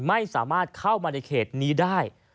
ไม่สามารถเข้ามาในเขตนี้ได้